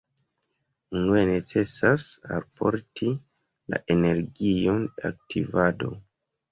Unue necesas alporti la energion de aktivado.